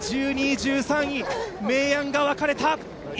１２位、１３位、明暗が分かれた。